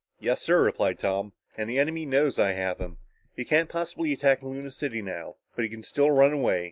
"Yes, sir," replied Tom. "And the enemy knows I have him. He can't possibly attack Luna City now. But he can still run away.